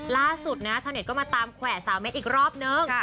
ล่าสุดนะชาวเน็ตก็มาตามแขวะสาวเม็ดอีกรอบนึง